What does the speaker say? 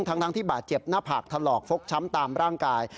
ทั้งที่บาดเจ็บหน้าผากถลอกฟกช้ำตามร่างกาย